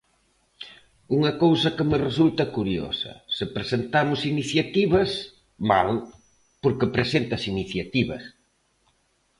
Unha cousa que me resulta curiosa: se presentamos iniciativas, ¡mal, porque presentas iniciativas!